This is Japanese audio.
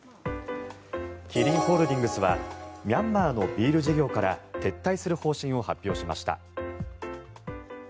キリンホールディングスはミャンマーのビール事業から撤退する方針を発表しました。